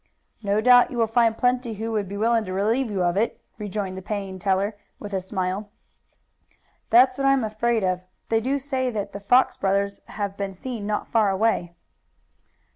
"No doubt you will find plenty who would be willing to relieve you of it," rejoined the paying teller, with a smile. "That's what I am afraid of. They do say that the Fox brothers have been seen not far away."